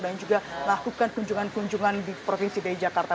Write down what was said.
dan juga melakukan kunjungan kunjungan di provinsi dek jakarta